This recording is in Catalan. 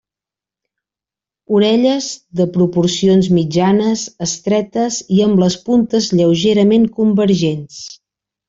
Orelles de proporcions mitjanes, estretes i amb les puntes lleugerament convergents.